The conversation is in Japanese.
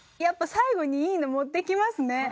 やっぱ最後にいいの持ってきますね。